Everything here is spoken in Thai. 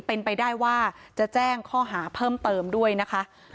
เป็นไปได้ว่าจะแจ้งข้อหาเพิ่มเติมด้วยนะคะ